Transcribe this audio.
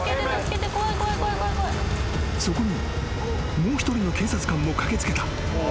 ［そこにもう一人の警察官も駆け付けた］